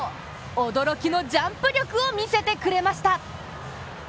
驚きのジャンプ力を見せてくれました。